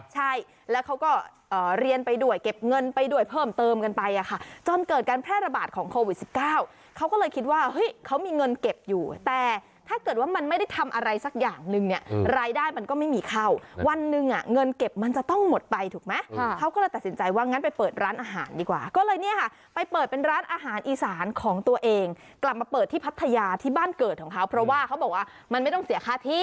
ใช่แล้วเขาก็เรียนไปด้วยเก็บเงินไปด้วยเพิ่มเติมกันไปอ่ะค่ะจนเกิดการแพร่ระบาดของโควิด๑๙เขาก็เลยคิดว่าเขามีเงินเก็บอยู่แต่ถ้าเกิดว่ามันไม่ได้ทำอะไรสักอย่างนึงเนี่ยรายได้มันก็ไม่มีเข้าวันหนึ่งอ่ะเงินเก็บมันจะต้องหมดไปถูกไหมเขาก็เลยตัดสินใจว่างั้นไปเปิดร้านอาหารดีกว่าก็เลยเนี่ยค่ะไป